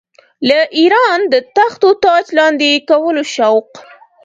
د اېران د تخت و تاج لاندي کولو شوق.